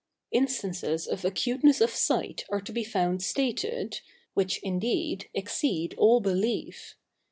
Instances of acuteness of sight are to be found stated, which, indeed, exceed all belief.